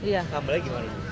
jengkol sambalnya gimana